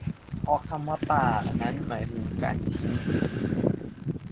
เพราะคำว่าป๋านั้นหมายถึงการทิ้ง